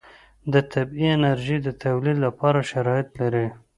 د طبعي انرژي د تولید لپاره شرایط لري.